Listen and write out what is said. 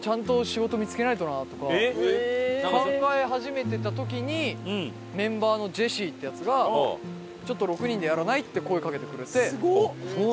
考え始めてた時にメンバーのジェシーってヤツがちょっと６人でやらない？って声かけてくれて。